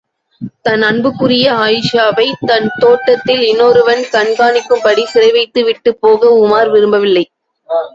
தன் அன்புக்குரிய அயீஷாவைத் தன் தோட்டத்திலே, இன்னொருவன் கண்காணிக்கும்படி சிறைவைத்து விட்டுப் போக உமார் விரும்பவில்லை.